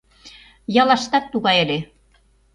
Яллаштат тугай ыле.